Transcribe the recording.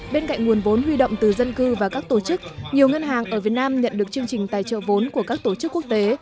bên cạnh nguồn vốn huy động từ dân cư và các tổ chức nhiều ngân hàng ở việt nam nhận được chương trình tài trợ vốn của các tổ chức quốc tế